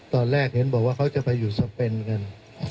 ตอนแรกเห็นบอกว่าเขาจะไปอยู่สเปนกัน